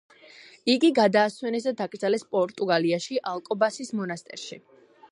იგი გადაასვენეს და დაკრძალეს პორტუგალიაში, ალკობასის მონასტერში.